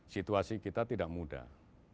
situasi kita tidak mudah